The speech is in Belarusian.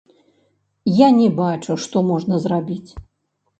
Я не бачу, што можна зрабіць.